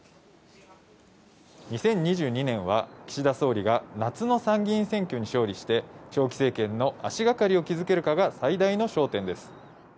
２０２２年は岸田総理が夏の参議院選挙に勝利して、長期政権の足がかりを築けるかが最大の焦点です。